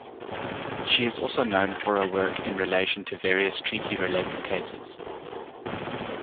She is also known for her work in relation to various Treaty-related cases.